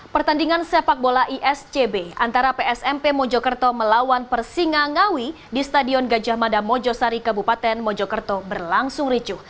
pertandingan sepak bola iscb antara psmp mojokerto melawan persingangawi di stadion gajah mada mojosari kabupaten mojokerto berlangsung ricuh